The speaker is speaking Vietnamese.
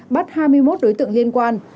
bắt hai mươi một đối tượng liên quan